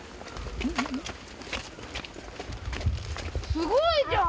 すごいじゃん！